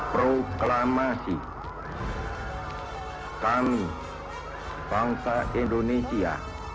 proklamasi kami bangsa indonesia